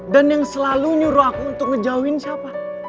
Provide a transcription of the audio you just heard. dan yang selalu nyuruh aku untuk ngejauhin siapa